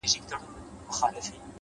هڅه د بریا قیمت دی!